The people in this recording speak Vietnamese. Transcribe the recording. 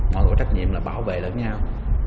mọi người có trách nhiệm là bảo vệ đối nhau